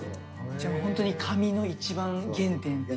じゃあホントに紙の一番原点っていう。